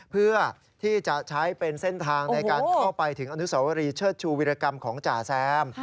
เพื่อที่จะใช้เป็นเส้นทางในการเข้าไปถึงอนุสวรีเชิดชูวิรกรรมของจ่าแซม